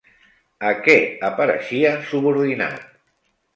A què apareixia subordinat?